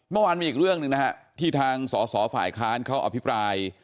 เมื่อวานมีอีกเรื่องหนึ่งนะฮะที่ทางสอสอฝ่ายค้านเขาอภิปราย